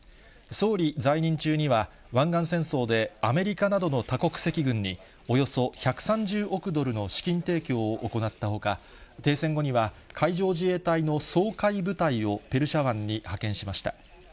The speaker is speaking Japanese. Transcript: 総理在任中には湾岸戦争で、アメリカなどの多国籍軍に、およそ１３０億ドルの資金提供を行ったほか、停戦後には海上自衛隊の掃海部隊をペルシャ湾に派遣しました。